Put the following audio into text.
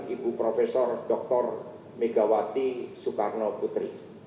ibu prof dr megawati soekarno putri